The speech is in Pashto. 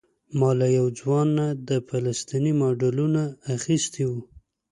ما له یو ځوان نه د فلسطین ماډلونه اخیستي وو.